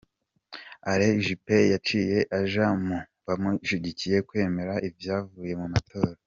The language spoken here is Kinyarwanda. Alain Juppé yaciye aja mu bamushigikiye kwemera ivyavuye mu matora.